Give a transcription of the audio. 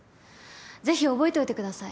是非覚えておいてください。